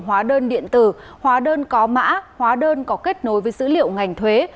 hóa đơn điện tử hóa đơn có mã hóa đơn có kết nối với dữ liệu ngành thuế